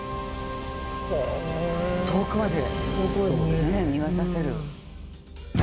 遠くまで見渡せる。